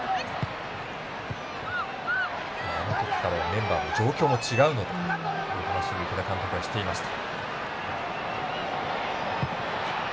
メンバーも、状況も違うのでという話も池田監督はしていました。